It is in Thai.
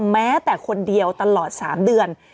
แม้แต่คนเดียวตลอด๓เดือน